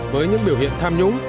với những biểu hiện tham nhũng